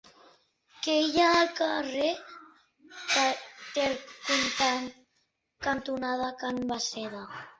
Què hi ha al carrer Ter cantonada Can Basseda?